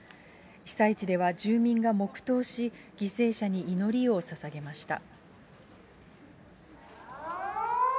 被災地では住民が黙とうし、犠牲者に祈りをささげました。